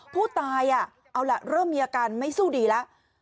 ผู้ตายเอาล่ะเริ่มมีอาการไม่สู้ดีแล้ว